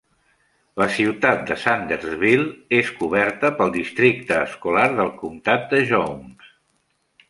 La ciutat de Sandersville és coberta pel districte escolar del comtat de Jones.